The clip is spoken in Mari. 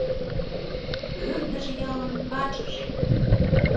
Ӧрдыж ялын качыже